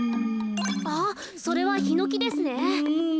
あっそれはヒノキですね。